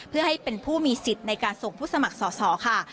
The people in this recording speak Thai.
เพื่อให้เป็นผู้มีสิทธิ์ในการส่งผู้สมัครสอสอค่ะ